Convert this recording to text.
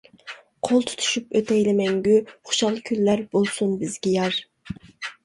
قول تۇتۇشۇپ ئۆتەيلى مەڭگۈ، خۇشال كۈنلەر بولسۇن بىزگە يار.